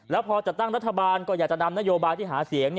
แล้วพอจัดตั้งรัฐบาลก็อยากจะนำนโยบายที่หาเสียง